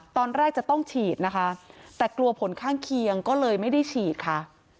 ตอนแรกจะต้องฉีดนะคะแต่กลัวผลข้างเคียงก็เลยไม่ได้ฉีดค่ะ